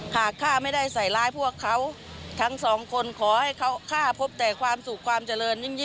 ที่แหละขณะแหละแดกเลย